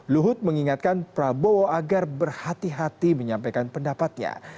luhut mengingatkan prabowo agar berhati hati menyampaikan pendapatnya